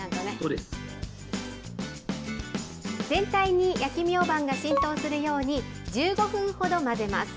全体に焼きミョウバンが浸透するように、１５分ほど混ぜます。